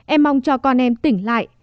em mong cho con em tỉnh lại